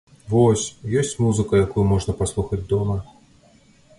Вось, ёсць музыка, якую можна паслухаць дома.